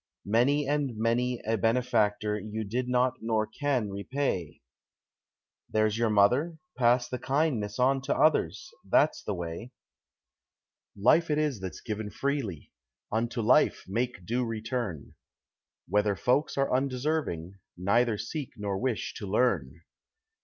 Many and many a benefactor you did not nor can repay There's your mother. Pass the kindness on to others that's the way. Life it is that's given freely. Unto life make due return. Whether folks are undeserving, neither seek nor wish to learn.